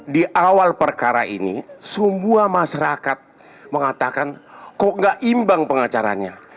di awal perkara ini semua masyarakat mengatakan kok gak imbang pengacaranya